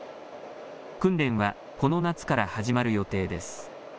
訓練はこの夏から始まる予定です。